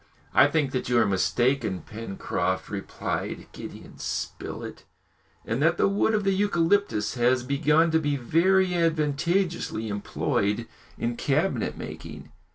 "I think that you are mistaken, Pencroft," replied Gideon Spilett, "and that the wood of the eucalyptus has begun to be very advantageously employed in cabinet making."